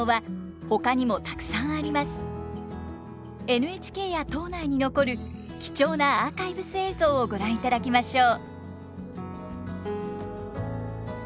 ＮＨＫや島内に残る貴重なアーカイブス映像をご覧いただきましょう。